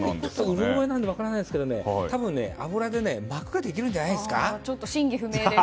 うろ覚えなんでよく分からないんですが多分、油で膜ができるんじゃないんですか。